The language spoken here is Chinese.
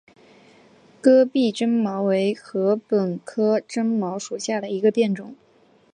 戈壁针茅为禾本科针茅属下的一个变种。